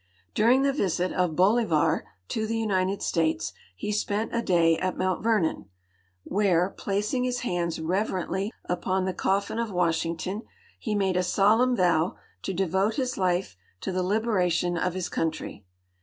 DumsG the visit of Bolivar to the United States he spent a day at Alount A'ernon, where, placing his hands reverently upon the cotfin of AVasli ington, he made a solemn vow to devote his life tn the liberation of his country.